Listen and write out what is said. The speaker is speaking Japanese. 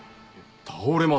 倒れます。